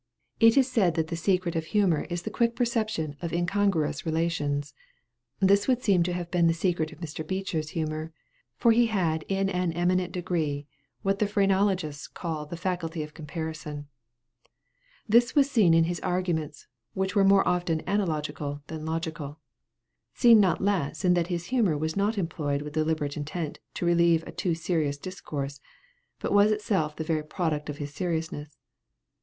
It is said that the secret of humor is the quick perception of incongruous relations. This would seem to have been the secret of Mr. Beecher's humor, for he had in an eminent degree what the phrenologists call the faculty of comparison. This was seen in his arguments, which were more often analogical than logical; seen not less in that his humor was not employed with deliberate intent to relieve a too serious discourse, but was itself the very product of his seriousness.